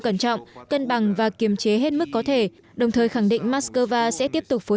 cẩn trọng cân bằng và kiềm chế hết mức có thể đồng thời khẳng định mắc cơ va sẽ tiếp tục phối